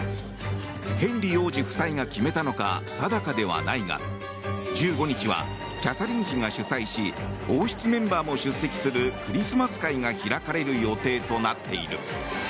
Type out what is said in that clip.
ヘンリー王子夫妻が決めたのか定かではないが１５日はキャサリン妃が主催し王室メンバーも出席するクリスマス会が開かれる予定となっている。